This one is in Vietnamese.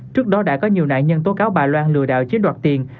trước đó đã có nhiều nạn nhân tố cáo bà loan lừa đạo chiến đoạt tiền